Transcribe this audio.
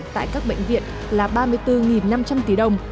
tại các bệnh viện là ba mươi bốn năm trăm linh tỷ đồng